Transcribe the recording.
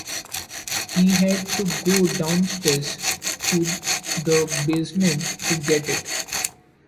He had to go downstairs to the basement to get it.